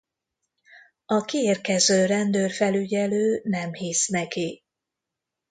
A kiérkező rendőrfelügyelő nem hisz neki.